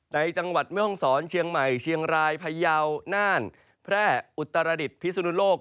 ในจังหวัดแม่ห้องศรเชียงใหม่เชียงรายพยาวน่านแพร่อุตรดิษฐพิสุนุโลก